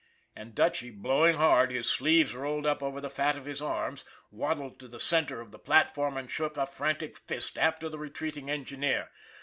And Dutchy, blowing hard, his sleeves rolled up over the fat of his arms, waddled to the center of the platform and shook a frantic fist after the retreating engineer.